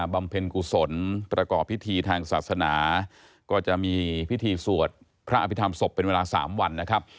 เพ็ญกุศลประกอบพิธีทางศาสนาก็จะมีพิธีสวดพระอภิษฐรรศพเป็นเวลา๓วันนะครับ